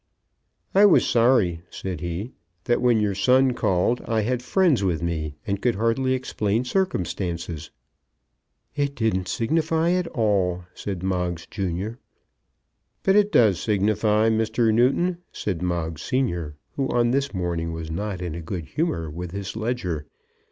"I was sorry," said he, "that when your son called, I had friends with me, and could hardly explain circumstances." "It didn't signify at all," said Moggs junior. "But it does signify, Mr. Newton," said Moggs senior, who on this morning was not in a good humour with his ledger.